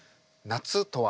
夏とは。